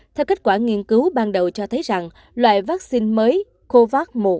theo kết quả nghiên cứu ban đầu cho thấy rằng loại vaccine mới covax một